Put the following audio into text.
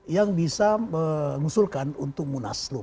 yang bisa mengusulkan untuk munaslup